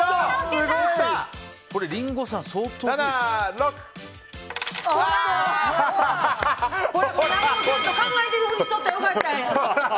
すごい！何もせんと考えてる振りしとったらよかったんや！